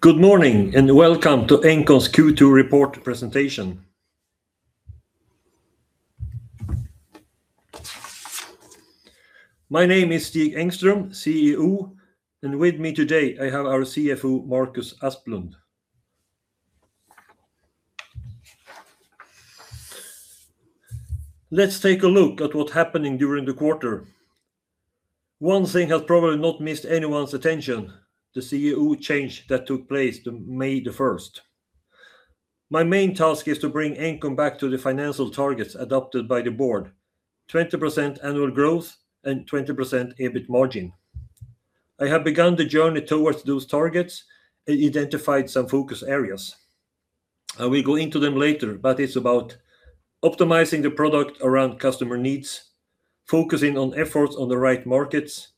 Good morning. Welcome to Engcon's Q2 Report Presentation. My name is Stig Engström, CEO, and with me today I have our CFO, Marcus Asplund. Let's take a look at what happened during the quarter. One thing has probably not missed anyone's attention, the CEO change that took place May 1st. My main task is to bring Engcon back to the financial targets adopted by the board, 20% annual growth and 20% EBIT margin. I have begun the journey towards those targets and identified some focus areas. I will go into them later, but it's about optimizing the product around customer needs, focusing on efforts on the right markets,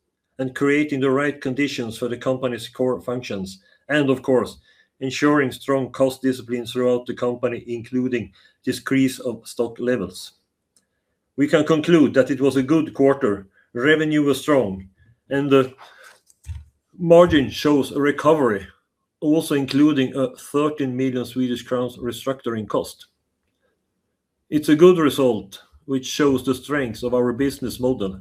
and creating the right conditions for the company's core functions. Of course, ensuring strong cost discipline throughout the company, including decrease of stock levels. We can conclude that it was a good quarter. Revenue was strong, and the margin shows a recovery, also including a 13 million Swedish crowns restructuring cost. It's a good result, which shows the strength of our business model.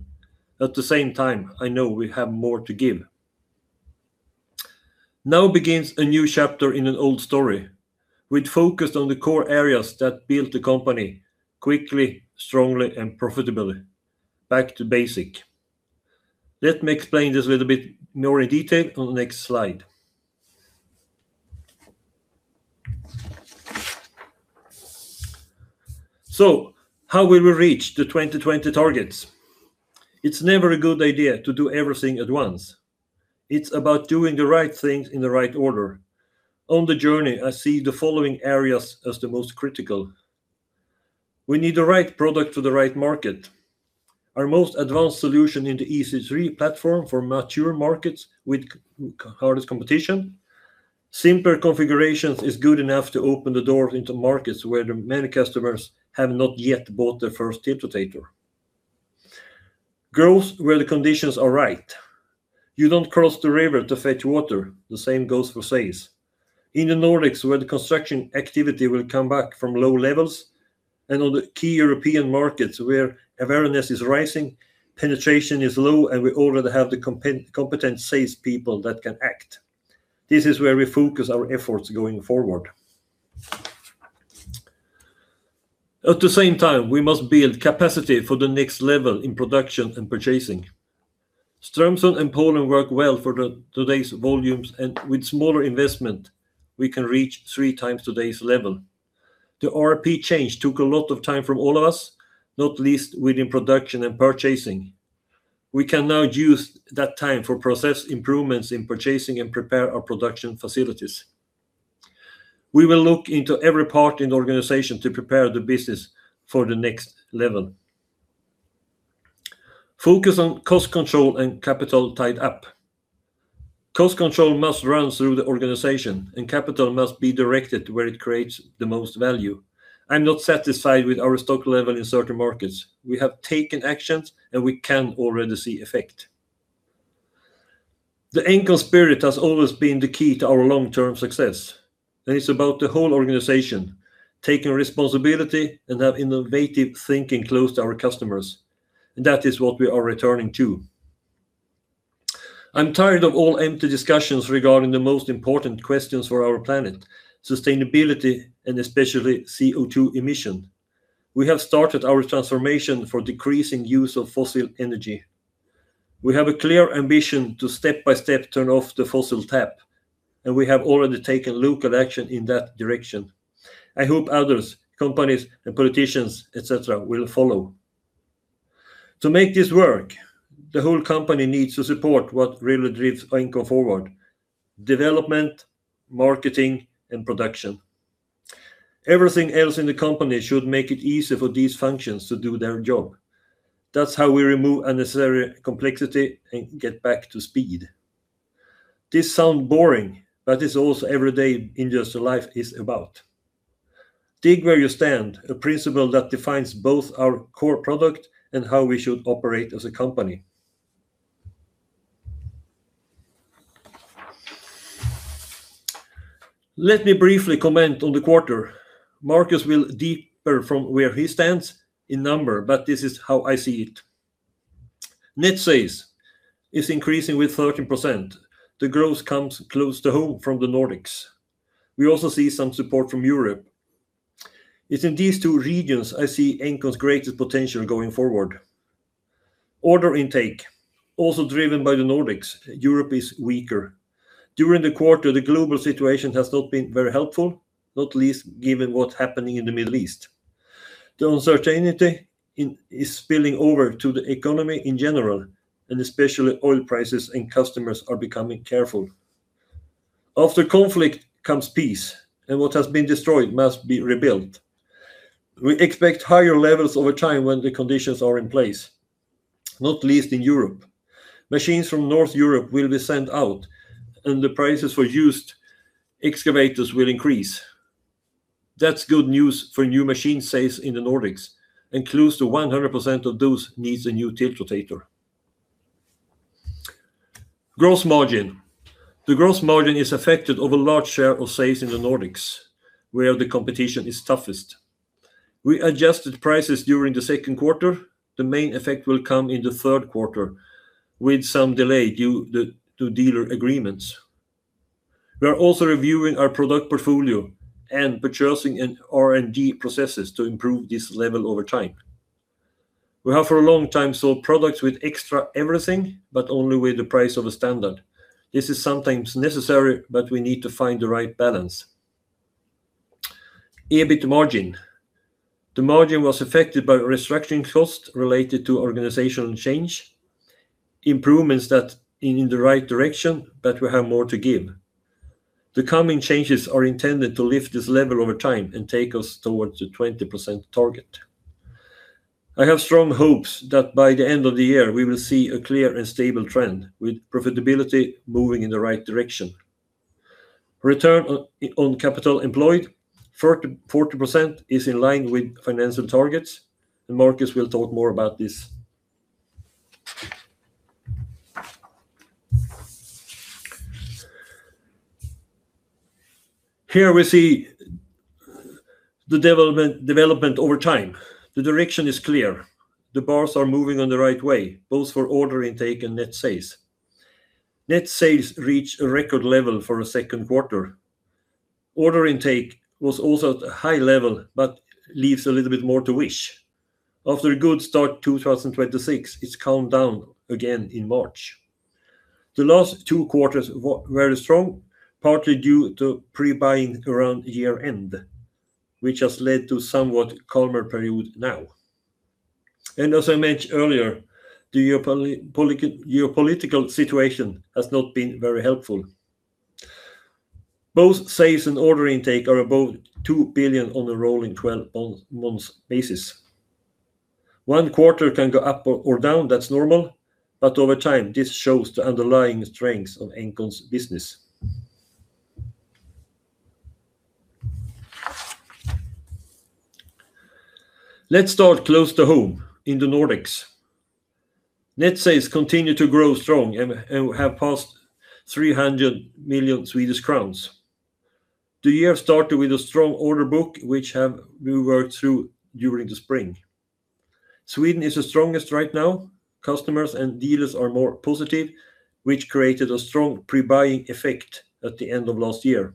At the same time, I know we have more to give. Now begins a new chapter in an old story. We'd focused on the core areas that built the company quickly, strongly, and profitably. Back to basic. Let me explain this a little bit more in detail on the next slide. How will we reach the 2020 targets? It's never a good idea to do everything at once. It's about doing the right things in the right order. On the journey, I see the following areas as the most critical. We need the right product to the right market. Our most advanced solution in the EC3 platform for mature markets with hardest competition. Simpler configurations is good enough to open the doors into markets where the many customers have not yet bought their first tiltrotator. Growth where the conditions are right. You don't cross the river to fetch water. The same goes for sales. In the Nordics, where the construction activity will come back from low levels, and on the key European markets where awareness is rising, penetration is low, and we already have the competent salespeople that can act. This is where we focus our efforts going forward. At the same time, we must build capacity for the next level in production and purchasing. Strömsund and Poland work well for today's volumes, and with smaller investment, we can reach three times today's level. The ERP change took a lot of time from all of us, not least within production and purchasing. We can now use that time for process improvements in purchasing and prepare our production facilities. We will look into every part in the organization to prepare the business for the next level. Focus on cost control and capital tied up. Cost control must run through the organization, and capital must be directed where it creates the most value. I'm not satisfied with our stock level in certain markets. We have taken actions, and we can already see effect. The Engcon spirit has always been the key to our long-term success, and it's about the whole organization taking responsibility and have innovative thinking close to our customers. That is what we are returning to. I'm tired of all empty discussions regarding the most important questions for our planet, sustainability, and especially CO2 emission. We have started our transformation for decreasing use of fossil energy. We have a clear ambition to step by step turn off the fossil tap. We have already taken local action in that direction. I hope others, companies and politicians, et cetera, will follow. To make this work, the whole company needs to support what really drives Engcon forward, development, marketing, and production. Everything else in the company should make it easier for these functions to do their job. That's how we remove unnecessary complexity and get back to speed. This sounds boring, but it's also what every day industrial life is about. Dig where you stand, a principle that defines both our core product and how we should operate as a company. Let me briefly comment on the quarter. Marcus will go deeper from where he stands in numbers, but this is how I see it. Net sales is increasing with 13%. The growth comes close to home from the Nordics. We also see some support from Europe. It's in these two regions I see Engcon's greatest potential going forward. Order intake, also driven by the Nordics. Europe is weaker. During the quarter, the global situation has not been very helpful, not least given what's happening in the Middle East. The uncertainty is spilling over to the economy in general, and especially oil prices, and customers are becoming careful. After conflict comes peace, and what has been destroyed must be rebuilt. We expect higher levels over time when the conditions are in place, not least in Europe. Machines from North Europe will be sent out, and the prices for used excavators will increase. That's good news for new machine sales in the Nordics, and close to 100% of those needs a new tiltrotator. Gross margin. The gross margin is affected over a large share of sales in the Nordics, where the competition is toughest. We adjusted prices during the Q2. The main effect will come in the Q3 with some delay due to dealer agreements. We are also reviewing our product portfolio and purchasing and R&D processes to improve this level over time. We have for a long time sold products with extra everything, but only with the price of a standard. This is sometimes necessary, but we need to find the right balance. EBIT margin. The margin was affected by restructuring costs related to organizational change, improvements that in the right direction, but we have more to give. The coming changes are intended to lift this level over time and take us towards the 20% target. I have strong hopes that by the end of the year, we will see a clear and stable trend, with profitability moving in the right direction. Return on capital employed, 40%, is in line with financial targets, and Marcus will talk more about this. Here we see the development over time. The direction is clear. The bars are moving on the right way, both for order intake and net sales. Net sales reached a record level for a Q2. Order intake was also at a high level but leaves a little bit more to wish. After a good start 2026, it's calmed down again in March. The last two quarters were very strong, partly due to pre-buying around year-end, which has led to somewhat calmer period now. As I mentioned earlier, the geopolitical situation has not been very helpful. Both sales and order intake are above 2 billion on a rolling 12-month basis. One quarter can go up or down. That's normal, but over time, this shows the underlying strengths of Engcon's business. Let's start close to home in the Nordics. Net sales continue to grow strong and have passed 300 million Swedish crowns. The year started with a strong order book, which we worked through during the spring. Sweden is the strongest right now. Customers and dealers are more positive, which created a strong pre-buying effect at the end of last year.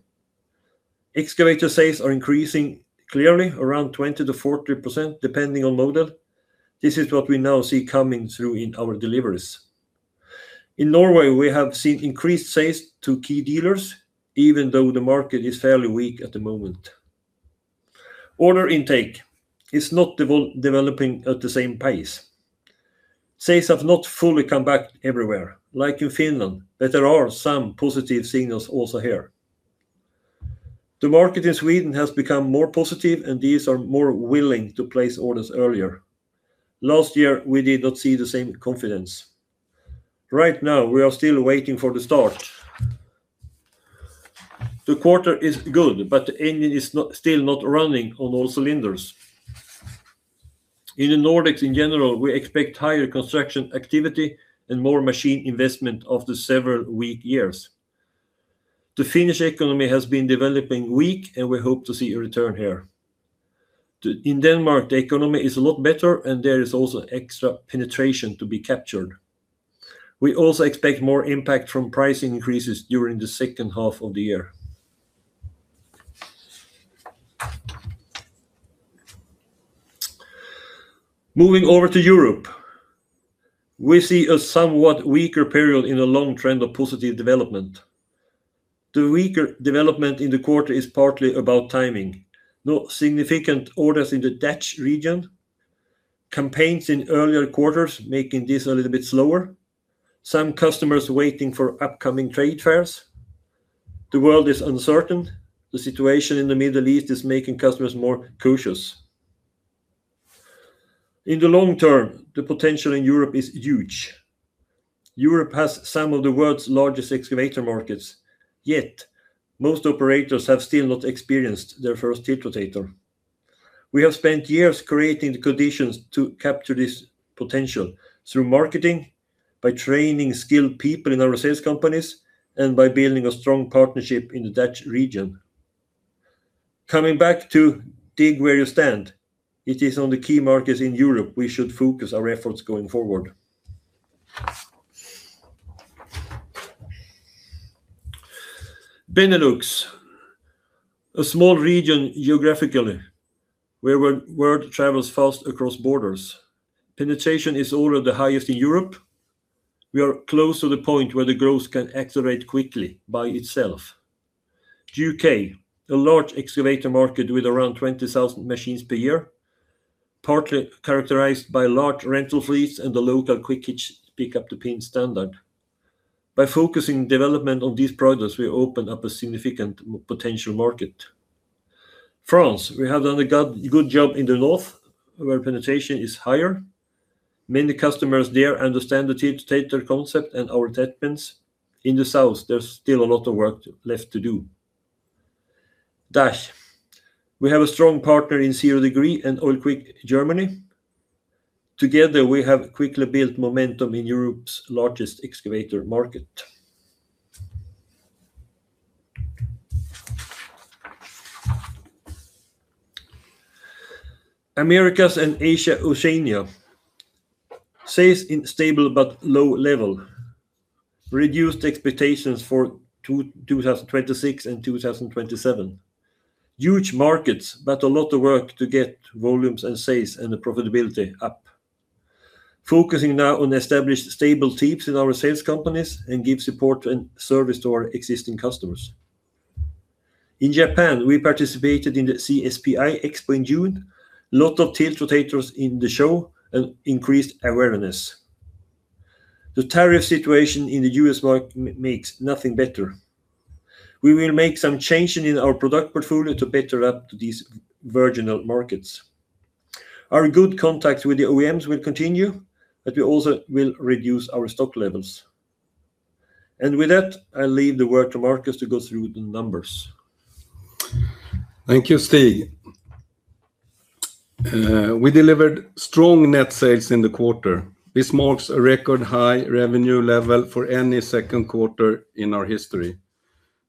Excavator sales are increasing clearly around 20%-40%, depending on model. This is what we now see coming through in our deliveries. In Norway, we have seen increased sales to key dealers, even though the market is fairly weak at the moment. Order intake is not developing at the same pace. Sales have not fully come back everywhere, like in Finland, but there are some positive signals also here. The market in Sweden has become more positive, and these are more willing to place orders earlier. Last year, we did not see the same confidence. Right now, we are still waiting for the start. The quarter is good, but the engine is still not running on all cylinders. In the Nordics in general, we expect higher construction activity and more machine investment after several weak years. The Finnish economy has been developing weak, and we hope to see a return here. In Denmark, the economy is a lot better, and there is also extra penetration to be captured. We also expect more impact from pricing increases during the second half of the year. Moving over to Europe, we see a somewhat weaker period in a long trend of positive development. The weaker development in the quarter is partly about timing. No significant orders in the Dutch region, campaigns in earlier quarters, making this a little bit slower. Some customers waiting for upcoming trade fairs. The world is uncertain. The situation in the Middle East is making customers more cautious. In the long term, the potential in Europe is huge. Europe has some of the world's largest excavator markets, yet most operators have still not experienced their first tiltrotator. We have spent years creating the conditions to capture this potential through marketing, by training skilled people in our sales companies, and by building a strong partnership in the Dutch region. Coming back to dig where you stand, it is on the key markets in Europe, we should focus our efforts going forward. Benelux, a small region geographically where word travels fast across borders. Penetration is already the highest in Europe. We are close to the point where the growth can accelerate quickly by itself. U.K., a large excavator market with around 20,000 machines per year, partly characterized by large rental fleets and the local Quick hitch Pick up the pin standard. By focusing development on these products, we open up a significant potential market. France, we have done a good job in the north where penetration is higher. Many customers there understand the tiltrotator concept and our attachments. In the south, there's still a lot of work left to do. DACH. We have a strong partner in ZD-Solution KG and OilQuick Germany. Together, we have quickly built momentum in Europe's largest excavator market. Americas and Asia-Oceania. Sales in stable but low level. Reduced expectations for 2026 and 2027. Huge markets, but a lot of work to get volumes and sales and the profitability up. Focusing now on established stable teams in our sales companies and give support and service to our existing customers. In Japan, we participated in the CSPI-EXPO in June. A lot of tiltrotators in the show and increased awareness. The tariff situation in the U.S. market makes nothing better. We will make some changes in our product portfolio to better adapt to these virgin markets. Our good contacts with the OEMs will continue, but we also will reduce our stock levels. With that, I leave the work to Marcus to go through the numbers. Thank you, Stig. We delivered strong net sales in the quarter. This marks a record high revenue level for any Q2 in our history.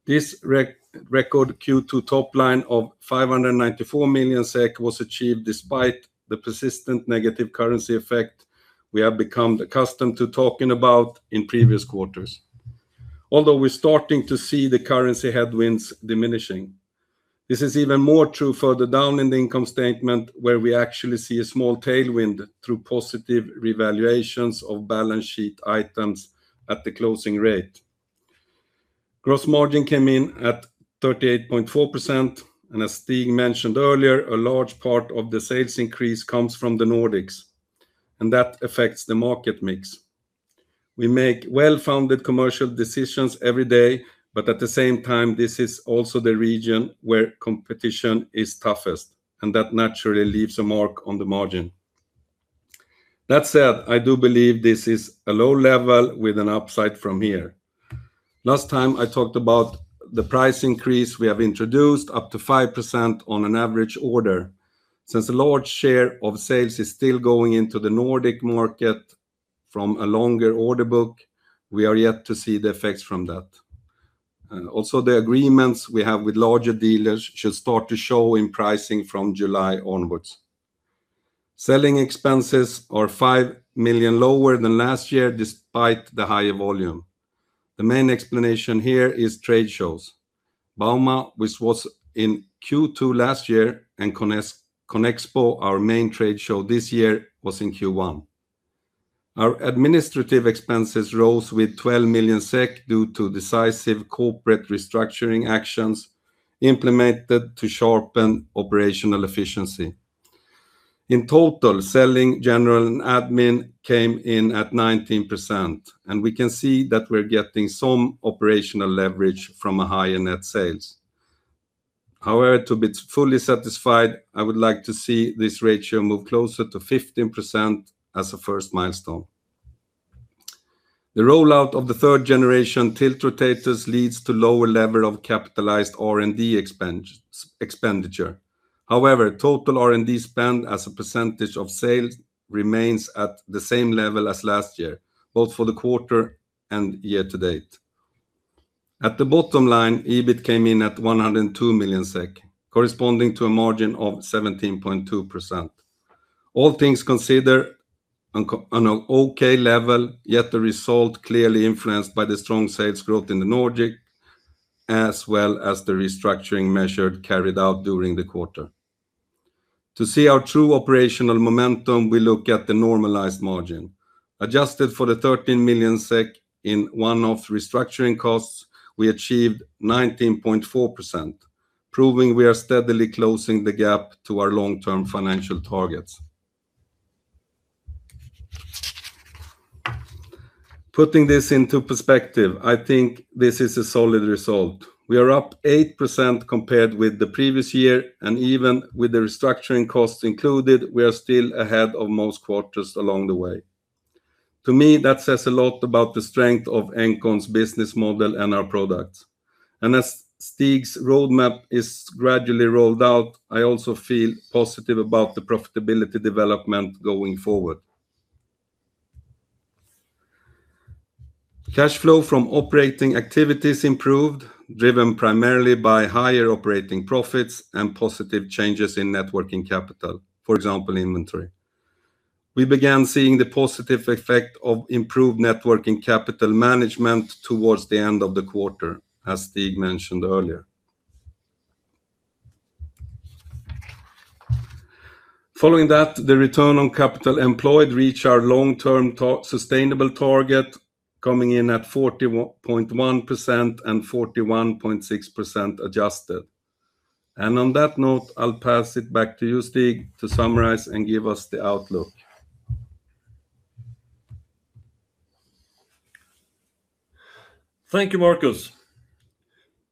This record Q2 top line of 594 million SEK was achieved despite the persistent negative currency effect we have become accustomed to talking about in previous quarters. Although we are starting to see the currency headwinds diminishing, this is even more true further down in the income statement where we actually see a small tailwind through positive revaluations of balance sheet items at the closing rate. Gross margin came in at 38.4%, and as Stig mentioned earlier, a large part of the sales increase comes from the Nordics, and that affects the market mix. We make well-founded commercial decisions every day, but at the same time, this is also the region where competition is toughest, and that naturally leaves a mark on the margin. That said, I do believe this is a low level with an upside from here. Last time I talked about the price increase we have introduced up to 5% on an average order. Since a large share of sales is still going into the Nordic market from a longer order book, we are yet to see the effects from that. Also, the agreements we have with larger dealers should start to show in pricing from July onwards. Selling expenses are 5 million lower than last year, despite the higher volume. The main explanation here is trade shows. Bauma, which was in Q2 last year, and CONEXPO, our main trade show this year, was in Q1. Our administrative expenses rose with 12 million SEK due to decisive corporate restructuring actions implemented to sharpen operational efficiency. In total, selling, general, and admin came in at 19%, and we can see that we are getting some operational leverage from a higher net sales. However, to be fully satisfied, I would like to see this ratio move closer to 15% as a first milestone. The rollout of the third-generation tiltrotators leads to lower level of capitalized R&D expenditure. However, total R&D spend as a percentage of sales remains at the same level as last year, both for the quarter and year to date. At the bottom line, EBIT came in at 102 million SEK, corresponding to a margin of 17.2%. All things considered, on an okay level, yet the result clearly influenced by the strong sales growth in the Nordic, as well as the restructuring measure carried out during the quarter. To see our true operational momentum, we look at the normalized margin. Adjusted for the 13 million SEK in one-off restructuring costs, we achieved 19.4%, proving we are steadily closing the gap to our long-term financial targets. Putting this into perspective, I think this is a solid result. We are up 8% compared with the previous year, and even with the restructuring costs included, we are still ahead of most quarters along the way. To me, that says a lot about the strength of Engcon's business model and our products. As Stig's roadmap is gradually rolled out, I also feel positive about the profitability development going forward. Cash flow from operating activities improved, driven primarily by higher operating profits and positive changes in net working capital, for example, inventory. We began seeing the positive effect of improved net working capital management towards the end of the quarter, as Stig mentioned earlier. Following that, the return on capital employed reached our long-term sustainable target, coming in at 40.1% and 41.6% adjusted. On that note, I'll pass it back to you, Stig, to summarize and give us the outlook. Thank you, Marcus.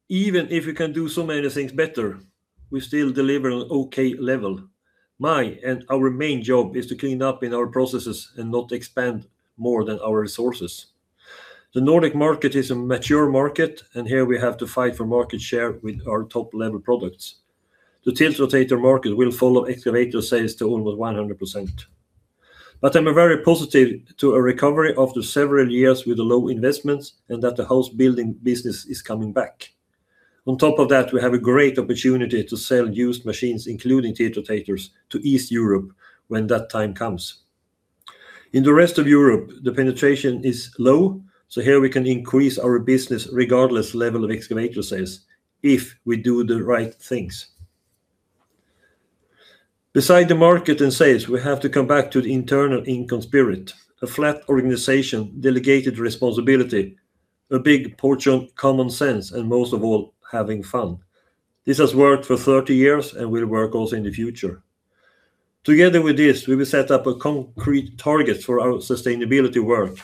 Even if we can do so many things better, we still deliver an okay level. My and our main job is to clean up in our processes and not expand more than our resources. The Nordic market is a mature market, here we have to fight for market share with our top-level products. The tiltrotator market will follow excavator sales to almost 100%. I'm very positive to a recovery after several years with low investments and that the house building business is coming back. On top of that, we have a great opportunity to sell used machines, including tiltrotators, to East Europe when that time comes. In the rest of Europe, the penetration is low, here we can increase our business regardless level of excavator sales if we do the right things. Beside the market and sales, we have to come back to the internal Engcon spirit, a flat organization, delegated responsibility, a big portion of common sense, and most of all, having fun. This has worked for 30 years and will work also in the future. Together with this, we will set up concrete targets for our sustainability work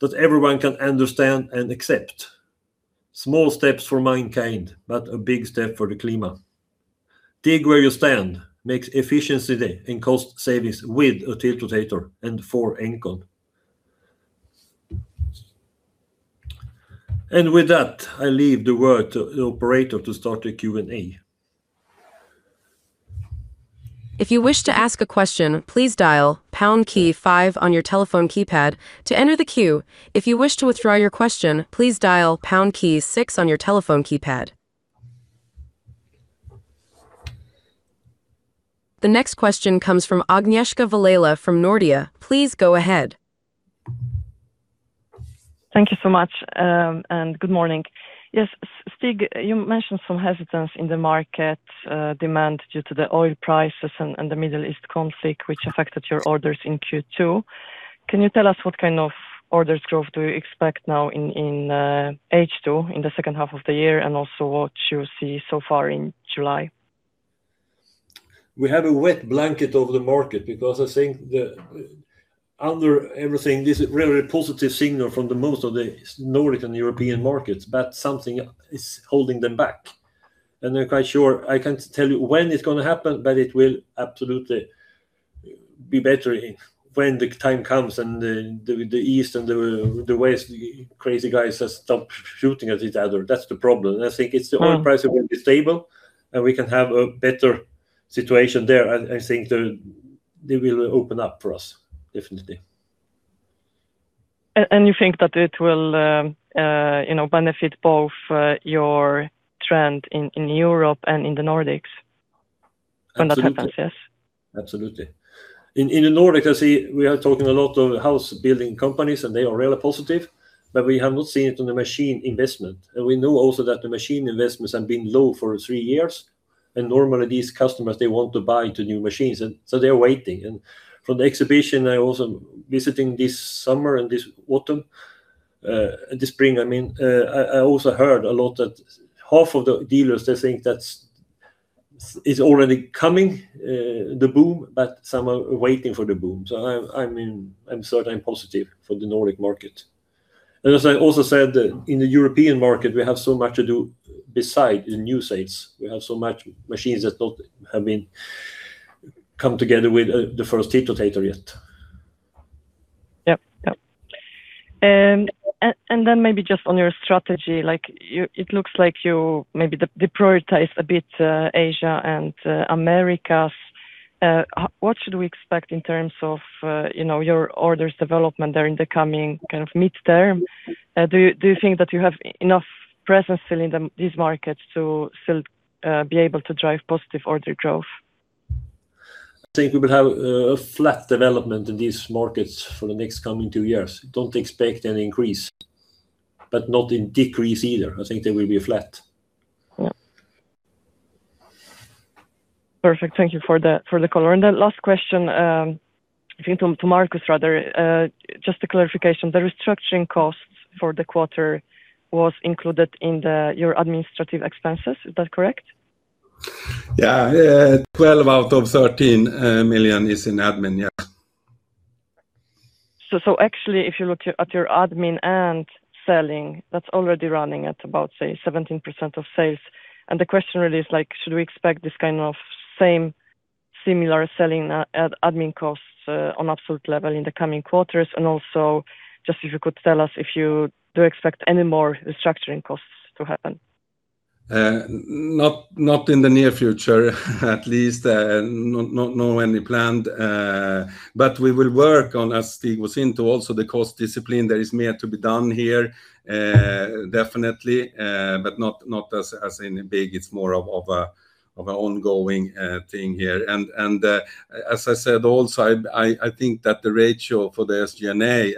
that everyone can understand and accept. Small steps for mankind, but a big step for the climate. Dig where you stand makes efficiency and cost savings with a tiltrotator and for Engcon. With that, I leave the word to the operator to start the Q&A. If you wish to ask a question, please dial #5 on your telephone keypad to enter the queue. If you wish to withdraw your question, please dial #6 on your telephone keypad. The next question comes from Agnieszka Vilela from Nordea. Please go ahead. Thank you so much. Good morning. Yes, Stig, you mentioned some hesitance in the market demand due to the oil prices and the Middle East conflict, which affected your orders in Q2. Can you tell us what kind of orders growth do you expect now in H2, in the second half of the year, and also what you see so far in July? We have a wet blanket over the market because I think that under everything, this is a really positive signal from the most of the Nordic and European markets, but something is holding them back. I'm quite sure I can't tell you when it's going to happen, but it will absolutely be better when the time comes and the East and the West crazy guys stop shooting at each other. That's the problem. I think if the oil price will be stable, we can have a better situation there, I think they will open up for us, definitely. You think that it will benefit both your trend in Europe and in the Nordics when that happens, yes? Absolutely. In the Nordics, I see we are talking a lot of house building companies. They are really positive, but we have not seen it on the machine investment. We know also that the machine investments have been low for three years. Normally these customers, they want to buy two new machines, so they're waiting. From the exhibition I also visiting this summer and this autumn, this spring, I mean, I also heard a lot that half of the dealers, they think that it's already coming, the boom, but some are waiting for the boom. I'm certain positive for the Nordic market. As I also said, in the European market, we have so much to do besides the new sales. We have so much machines that don't have been come together with the first tiltrotator yet. Yep. Maybe just on your strategy, it looks like you maybe deprioritized a bit Asia and Americas. What should we expect in terms of your orders development during the coming midterm? Do you think that you have enough presence still in these markets to still be able to drive positive order growth? I think we will have a flat development in these markets for the next coming two years. Don't expect any increase, but not in decrease either. I think they will be flat. Perfect. Thank you for the color. Last question, I think to Marcus rather, just a clarification. The restructuring costs for the quarter was included in your administrative expenses. Is that correct? Yeah. 12 million out of 13 million is in admin. Actually, if you look at your admin and selling, that's already running at about, say, 17% of sales. The question really is should we expect this kind of same similar selling admin costs on absolute level in the coming quarters? Also, just if you could tell us if you do expect any more restructuring costs to happen. Not in the near future, at least, no any planned. We will work on, as Stig was into also, the cost discipline. There is more to be done here, definitely, but not as in big. It's more of an ongoing thing here. As I said also, I think that the ratio for the SG&A,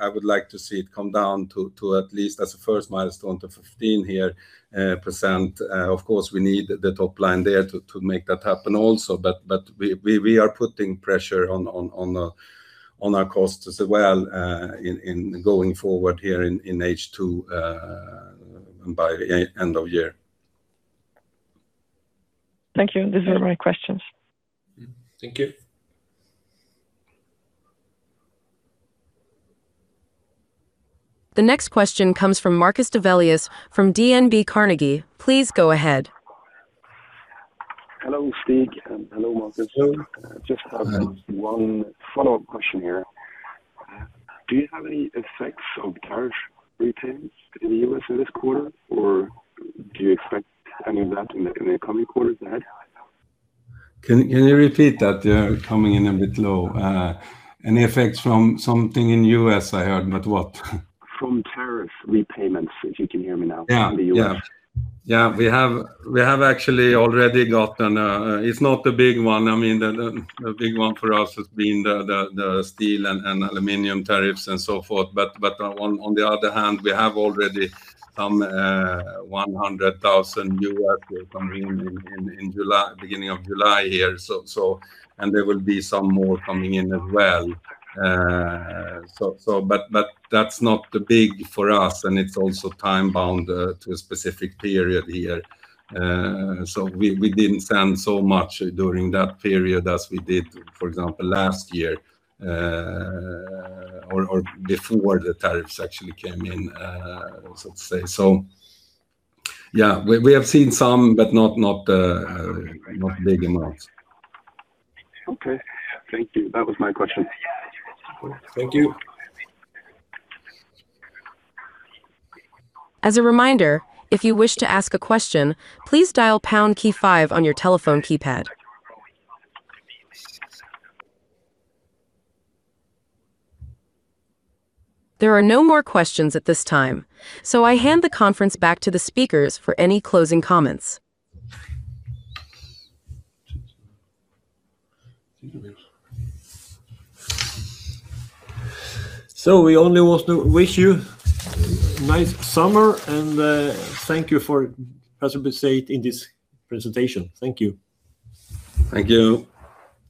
I would like to see it come down to at least as a first milestone to 15% here. We need the top line there to make that happen also, but we are putting pressure on our costs as well in going forward here in H2 by end of year. Thank you. These were my questions. Thank you. The next question comes from Marcus Develius from DNB Carnegie. Please go ahead. Hello Stig, and hello Marcus. Hello. Just have one follow-up question here. Do you have any effects of tariff repayments in the U.S. in this quarter, or do you expect any of that in the coming quarters ahead? Can you repeat that? You're coming in a bit low. Any effects from something in U.S., I heard, but what? From tariff repayments, if you can hear me now, in the U.S. Yeah. We have actually already gotten It's not a big one. The big one for us has been the steel and aluminum tariffs and so forth. On the other hand, we have already some $100,000 coming in beginning of July here. There will be some more coming in as well. That's not big for us, and it's also time-bound to a specific period here. We didn't send so much during that period as we did, for example, last year or before the tariffs actually came in. Yeah, we have seen some, but not big amounts. Okay. Thank you. That was my question. Thank you. As a reminder, if you wish to ask a question, please dial #5 on your telephone keypad. There are no more questions at this time, so I hand the conference back to the speakers for any closing comments. We only want to wish you a nice summer, and thank you for participating in this presentation. Thank you. Thank you.